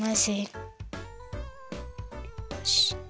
よし！